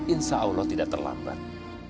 insya allah tidak terlambat